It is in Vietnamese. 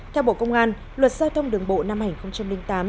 theo bộ công an luật giao thông đường bộ năm hai nghìn tám